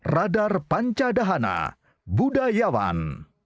radar pancadahana budayawan